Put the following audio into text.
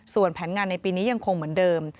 ส่วนแผนงานในปีนี้ยังคงเหมือนเดิม